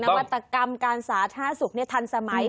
วัตกรรมการสาธารณสุขทันสมัย